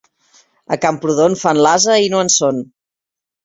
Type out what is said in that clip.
A Camprodon fan l'ase i no en són.